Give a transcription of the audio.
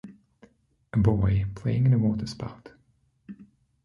A boy playing in a water spout.